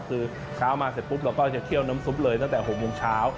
คือเช้ามาเสร็จปุ๊บเราก็จะเคี่ยวน้ำซุปเลยตั้งแต่๖โมงเช้า